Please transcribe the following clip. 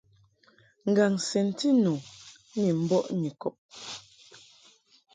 Ngaŋ sɛnti nu ni mbɔʼ Nyikɔb.